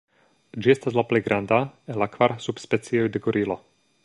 Ĝi estas la plej granda el la kvar subspecioj de gorilo.